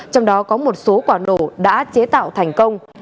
trong đó có một số quả nổ đã chế tạo thành công